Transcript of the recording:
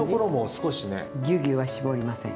ぎゅうぎゅうは絞りません。